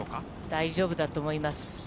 大丈夫だと思います。